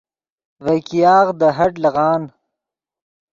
ڤے ګیاغ دے ہٹ لیغان